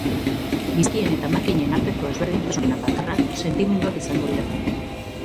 Gizakien eta makinen arteko ezberdintasun bakarra sentimenduak izango dira.